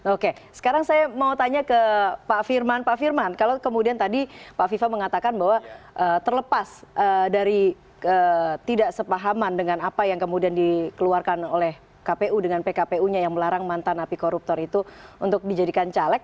oke sekarang saya mau tanya ke pak firman pak firman kalau kemudian tadi pak viva mengatakan bahwa terlepas dari tidak sepahaman dengan apa yang kemudian dikeluarkan oleh kpu dengan pkpu nya yang melarang mantan api koruptor itu untuk dijadikan caleg